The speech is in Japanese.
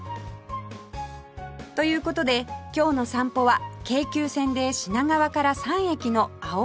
という事で今日の散歩は京急線で品川から３駅の青物横丁